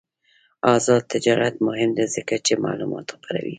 آزاد تجارت مهم دی ځکه چې معلومات خپروي.